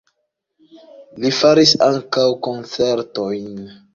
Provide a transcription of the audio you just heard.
Li faris ankaŭ koncertojn.